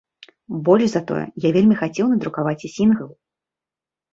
Больш за тое, я вельмі хацеў надрукаваць і сінгл.